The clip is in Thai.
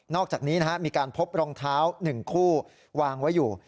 อกจากนี้มีการพบรองเท้า๑คู่วางไว้อยู่